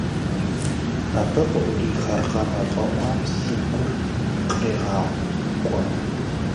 Абы къыӀурих аркъэмэ фӀэӀуам си Ӏур кърегъакӀуэ.